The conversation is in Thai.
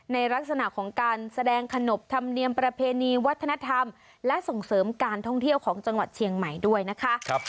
ในลักษณะของการแสดงขนบธรรมเนียมประเพณีวัฒนธรรมและส่งเสริมการท่องเที่ยวของจังหวัดเชียงใหม่ด้วยนะคะ